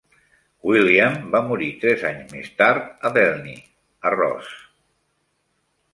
William va morir tres anys més tard, a Delny a Ross.